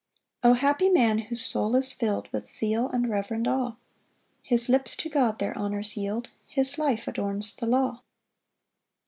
1 O happy man, whose soul is fill'd With zeal and reverend awe; His lips to God their honours yield, His life adorns the law.